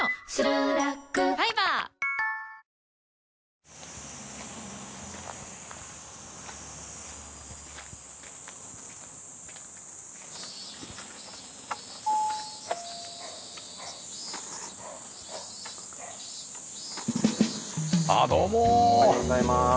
おはようございます。